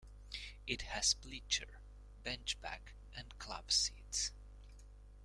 It has bleacher, bench-back, and club seats.